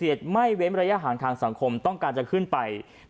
ไม่เว้นระยะห่างทางสังคมต้องการจะขึ้นไป